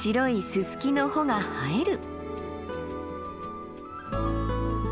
ススキの穂が映える。